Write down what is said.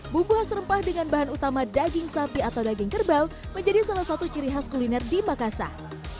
bumbu khas rempah dengan bahan utama daging sapi atau daging kerbau menjadi salah satu ciri khas kuliner di makassar